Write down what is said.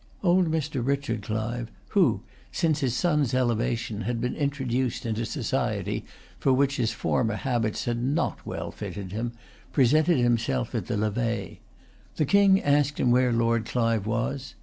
Old Mr. Richard Clive, who, since his son's elevation, had been introduced into society for which his former habits had not well fitted him, presented himself at the levee. The King asked him where Lord Clive was.